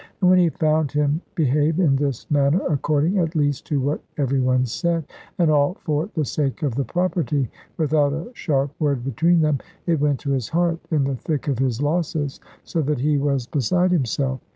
And when he found him behave in this manner (according, at least, to what every one said), and all for the sake of the property, without a sharp word between them, it went to his heart, in the thick of his losses, so that he was beside himself.